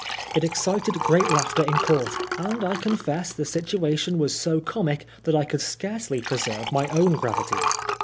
It excited great laughter in court, and I confess the situation was so comic that I could scarcely preserve my own gravity.